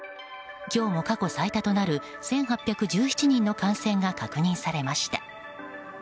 今日も過去最多となる１８１７人の感染が確認されました。